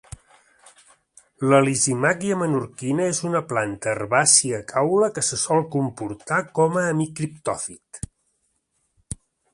La lisimàquia menorquina és una planta herbàcia acaule que se sol comportar com a hemicriptòfit.